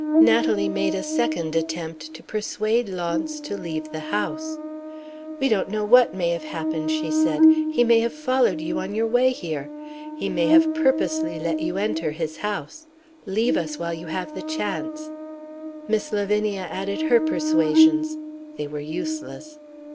Natalie made a second attempt to persuade Launce to leave the house. "We don't know what may have happened," she said. "He may have followed you on your way here. He may have purposely let you enter his house. Leave us while you have the chance." Miss Lavinia added her persuasions. They were useless.